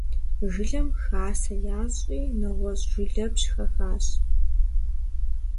Жылэм хасэ ящӀри нэгъуэщӀ жылэпщ хахащ.